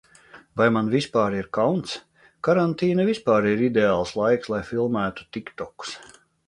Vai man vispār ir kauns? Karantīna vispār ir ideāls laiks, lai filmētu tiktokus.